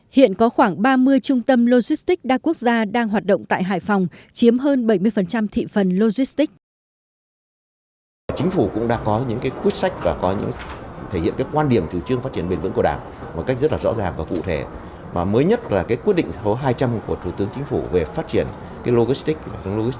hiện có khoảng ba mươi trung tâm logistics đa quốc gia đang hoạt động tại hải phòng chiếm hơn bảy mươi thị phần logistics